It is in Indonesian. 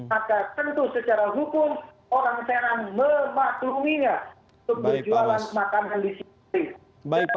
maka tentu secara hukum orang serang memakluminya untuk berjualan makanan di sini